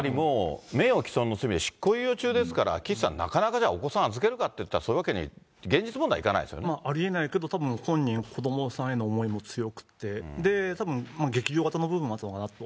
名誉毀損の罪で執行猶予中ですから岸さん、なかなかお子さん預けるかっていったらそういうわけには現実問題ありえないけど、たぶん、本人は子どもさんへの思いも強くて、たぶん、激情型の部分もあったのかなと。